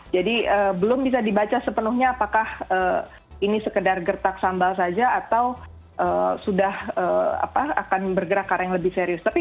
jadi belum bisa dibaca sepenuhnya apakah ini sekedar gertak sambal saja atau sudah akan bergerak ke arah yang lebih serius